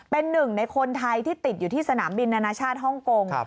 เป็นหนึ่งในคนไทยที่ติดอยู่ที่สนามบินนานาชาติฮ่องกง